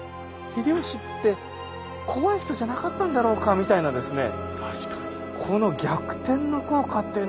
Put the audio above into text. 秀吉って怖い人じゃなかったんだろうか」みたいなですね